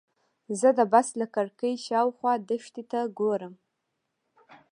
زه د بس له کړکۍ شاوخوا دښتې ته ګورم.